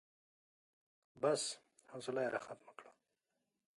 بس، حوصله يې راختمه کړه.